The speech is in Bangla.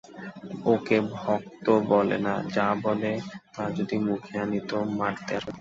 ওকে ভক্তি বলে না, যা বলে তা যদি মুখে আনি তো মারতে আসবে।